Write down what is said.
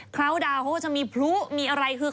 เขาดาวเขาก็จะมีพลุมีอะไรคือ